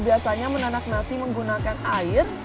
biasanya menanak nasi menggunakan air